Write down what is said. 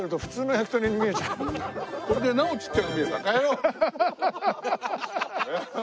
これでなおちっちゃく見える。